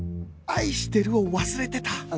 「愛してる」を忘れてた